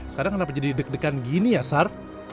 sekarang kenapa jadi deg degan gini ya sar